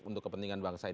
untuk kepentingan bangsa